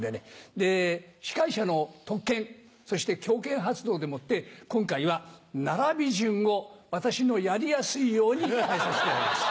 で司会者の特権そして強権発動でもって今回は並び順を私のやりやすいように変えさせていただきました。